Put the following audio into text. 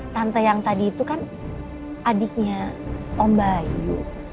tante yang tadi itu kan adiknya om bayu